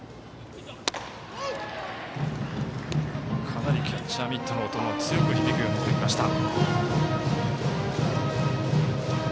かなりキャッチャーミットの音が強く響くようになってきました。